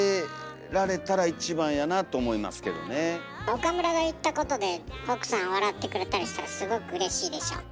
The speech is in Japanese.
岡村が言ったことで奥さん笑ってくれたりしたらすごくうれしいでしょ？